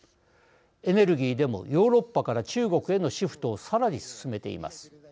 エネルギーでもヨーロッパから中国へのシフトをさらに進めています。